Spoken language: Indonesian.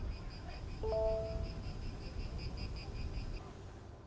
selain itu beberapa hutan di kawasan wisata kawah putih kapupaten bandung jawa barat masih terus berlangsung